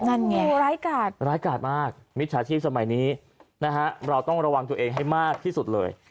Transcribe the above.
นั่นไงร้ายกาดร้ายกาดมากมิจฉาชีพสมัยนี้นะฮะเราต้องระวังตัวเองให้มากที่สุดเลย